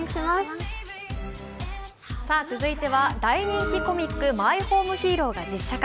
続いては大人気コミック「マイホームヒーロー」が実写化。